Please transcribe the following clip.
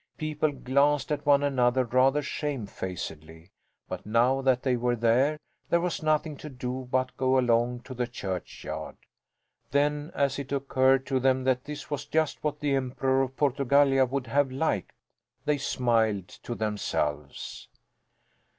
People glanced at one another rather shamefacedly; but now that they were there, there was nothing to do but go along to the churchyard. Then, as it occurred to them that this was just what the Emperor of Portugallia would have liked, they smiled to themselves.